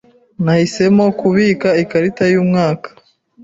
Nahisemo kubika ikarita yumwaka.